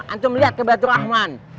antum liat ke baitur rahman